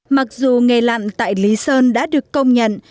mặc dù nghề lặn tại lý sơn đã được công nhận